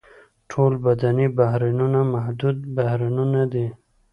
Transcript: ټول بدني بهیرونه محدود بهیرونه دي.